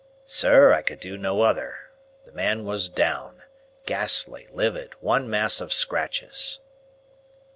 "Sir, I could do no other. The man was down ghastly, livid, one mass of scratches."